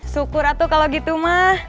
syukur aku kalau gitu mah